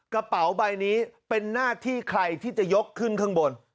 กระเป๋าใบนี้เป็นหน้าที่ใครที่จะยกขึ้นข้างบน